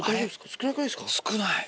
少ない。